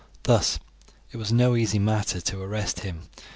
Thus it was no easy matter to arrest him.